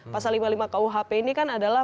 pasal lima puluh lima kuhp ini kan adalah